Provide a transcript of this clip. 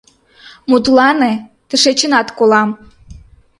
— Мутлане, тышечынат колам!